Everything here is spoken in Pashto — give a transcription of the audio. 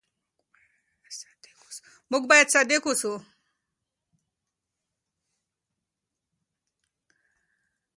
موږ بايد صادق اوسو.